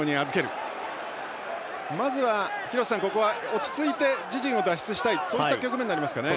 まずは廣瀬さん、ここは落ち着いて自陣を脱出したいそういった局面になりますかね。